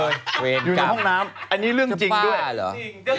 อยู่ในห้องน้ำอันนี้เรื่องจริงด้วยเหรอ